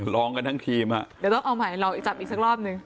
ร้องกับทั้งทีมบ้าแต่ทั้งอออกมาลองอีกจับอีกสักรอบหนึ่ง